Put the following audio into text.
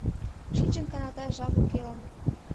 Шинчын каналташ жап укелан.